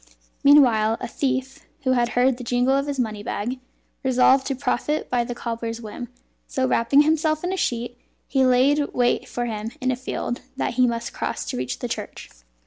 Meanwhile a thief (who had heard the jingle of his money bag) resolved to profit by the cobbler's whim; so wrapping himself in a sheet, he laid wait for him in a field that he must cross to reach the church.